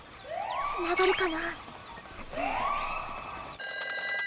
つながるかな？